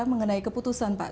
bagaimana mengenai keputusan pak